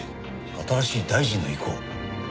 新しい大臣の意向。